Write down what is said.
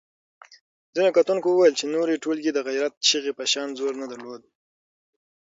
ځینو کتونکو وویل چې نورې ټولګې د غیرت چغې په شان زور نه درلود.